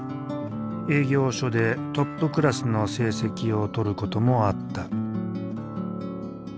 営業所でトップクラスの成績をとることもあった。